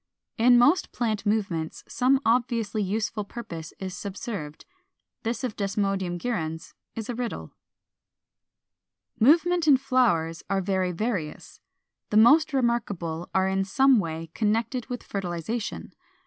In most plant movements some obviously useful purpose is subserved: this of Desmodium gyrans is a riddle. 475. =Movements in Flowers= are very various. The most remarkable are in some way connected with fertilization (Sect.